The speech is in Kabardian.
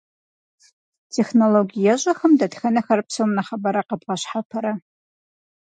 Технологиещӏэхэм дэтхэнэхэр псом нэхъыбэрэ къэбгъэщхьэпэрэ?